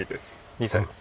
２歳です。